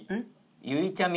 「ゆいちゃみ」